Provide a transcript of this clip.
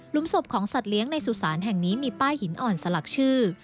ศพของสัตว์เลี้ยงในสุสานแห่งนี้มีป้ายหินอ่อนสลักชื่อ